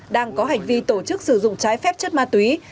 đang có hành vi tổ chức sử dụng trái phép chất ma túy